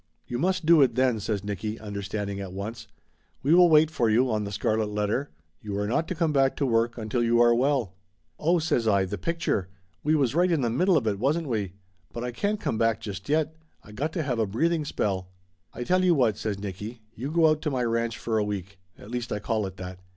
"You must do it, then," says Nicky, understanding at once. "We will wait for you, on The Scarlet Let ter. You are not to come back to work until you are well." "Oh !" says I. "The picture ! We was right in the middle of it, wasn't we? But I can't come back just yet. I got to have a breathing spell." "I tell you what," says Nicky. "You go out to my ranch for a week. At least I call it that.